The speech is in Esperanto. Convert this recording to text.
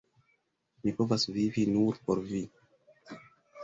Mi povas vivi nur por vi!